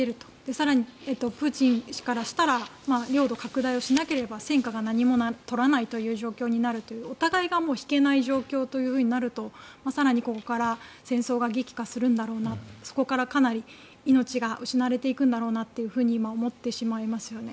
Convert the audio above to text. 更にプーチン氏からしたら領土拡大をしなければ戦果が何も取れないという状況になるというお互いが引けない状況となると更にここから戦争が激化するんだろうなとそこからかなり命が失われていくんだろうなというふうに今、思ってしまいますよね。